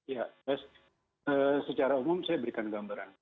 ya secara umum saya berikan gambaran